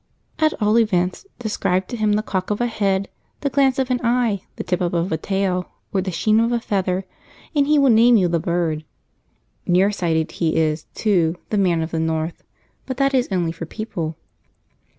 At all events, describe to him the cock of a head, the glance of an eye, the tip up of a tail, or the sheen of a feather, and he will name you the bird. Near sighted he is, too, the Man of the North, but that is only for people.